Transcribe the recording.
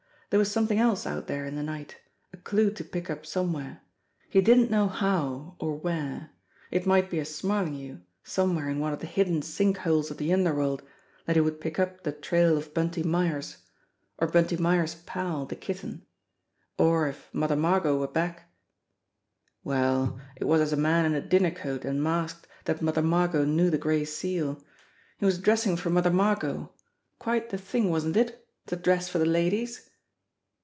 There was something else out there in the night a clue to pick up somewhere. He didn't know how or where. It might be as Smarlinghue, some where in one of the hidden sink holes of the underworld, that he would pick up the trail of Bunty Myers, or Bunty Myers' pal, the Kitten ; or, if Mother Margot were back Well, it was as a man in a dinner coat and masked that Mother Margot knew the Gray Seal. He was dressing for Mother Margot. Quite the thing, wasn't it to dress for the ladies